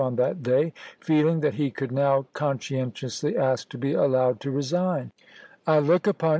on that day, feeling that he could now conscien tiously ask to be allowed to resign. " I look upon w.